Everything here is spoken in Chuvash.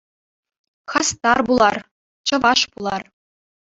Хастар пулар, чӑваш пулар!